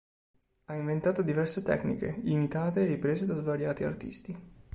Ha inventato diverse tecniche, imitate e riprese da svariati artisti.